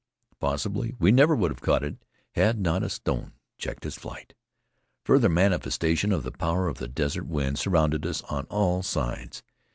Possibly we never would have caught it had not a stone checked its flight. Further manifestation of the power of the desert wind surrounded us on all sides.